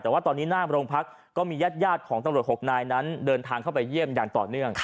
แต่ว่าตอนนี้หน้าโรงพักก็มีญาติของตำรวจ๖นายนั้นเดินทางเข้าไปเยี่ยมอย่างต่อเนื่อง